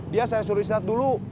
dia saya suruh snat dulu